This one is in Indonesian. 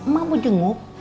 mak mau jenguk